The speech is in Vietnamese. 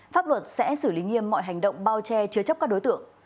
pháp luật sẽ xử lý nghiêm mọi hành động bao che chứa chấp các đối tượng